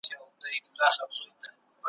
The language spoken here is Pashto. له هر رنګه پکښي پټ ول فسادونه ,